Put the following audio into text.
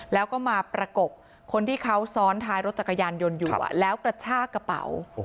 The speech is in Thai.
แล้วก็มาประกบคนที่เขาซ้อนท้ายรถจักรยานยนต์อยู่แล้วกระชากกระเป๋า